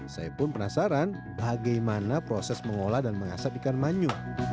saya pun penasaran bagaimana proses mengolah dan mengasap ikan manyu